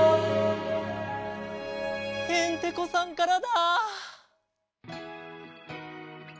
ヘンテコさんからだ。